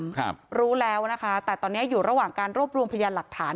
ครับรู้แล้วนะคะแต่ตอนนี้อยู่ระหว่างการรวบรวมพยานหลักฐาน